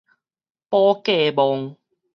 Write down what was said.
寶價望